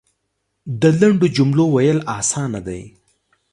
د لنډو جملو ویل اسانه دی .